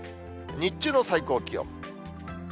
日中の最高気温。